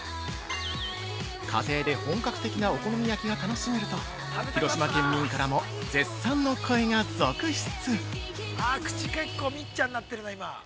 「家庭で本格的なお好み焼きが楽しめる」と広島県民からも絶賛の声が続出。